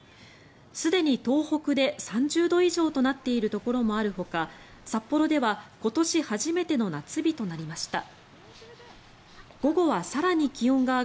すでに東北で３０度以上となっているところもあるほか札幌では今年初めての夏日となりました。